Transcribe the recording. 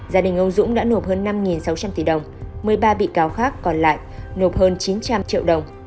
gia đình ông dũng đã nộp hơn năm sáu trăm linh tỷ đồng một mươi ba bị cáo khác còn lại nộp hơn chín trăm linh triệu đồng